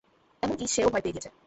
এমনকি সে-ও ভয় পেয়ে গেছে।